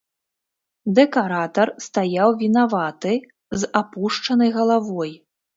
Дэкаратар стаяў вінаваты, з апушчанай галавой.